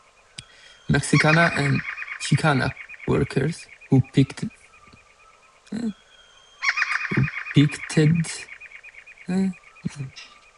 Mexicana and Chicana workers who picketed were gassed, arrested, and jailed.